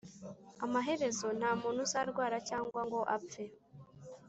Amaherezo nta muntu uzarwara cyangwa ngo apfe